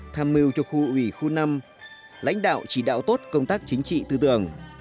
tham mưu cho khu ủy khu năm lãnh đạo chỉ đạo tốt công tác chính trị tư tưởng